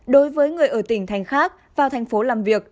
đối với người ở tỉnh thành khác vào thành phố làm việc